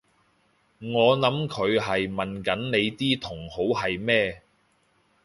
我諗佢係問緊你啲同好係咩？